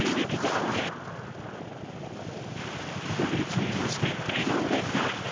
Ｖサインをして笑顔でゴール。